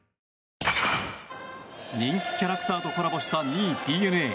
人気キャラクターとコラボした２位ＤｅＮＡ。